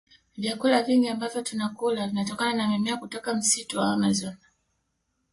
Vyakula vingi ambavyo tunakula vinatokana na mimea kutoka msitu wa amazon